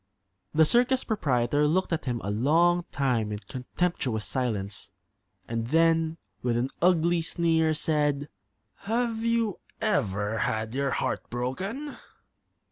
The circus proprietor looked at him a long time in contemptuous silence, and then, with an ugly sneer, said: "Have you ever had your heart broken?"